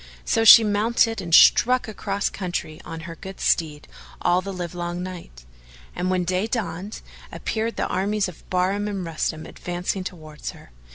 So she mounted and struck across country on her good steed all the livelong night; and, when day dawned, appeared the armies of Bahram and Rustam advancing towards her.